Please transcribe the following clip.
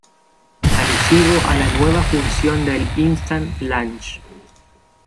Alusivo a la nueva función de "instant launch".